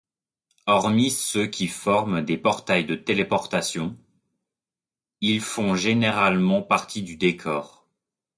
Hormis ceux qui forment des portails de téléportation, ils font généralement partie du décor.